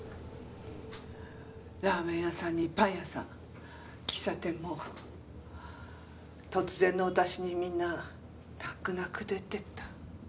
ラーメン屋さんにパン屋さん喫茶店も突然のお達しにみんな泣く泣く出てった。